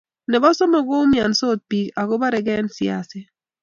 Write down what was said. nebo somok, ko umiansot biik ago bargei eng siaset